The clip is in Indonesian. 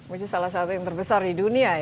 ini salah satu yang terbesar di dunia